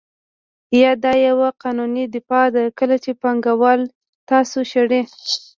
یا دا یوه قانوني دفاع ده کله چې پانګوال تاسو شړي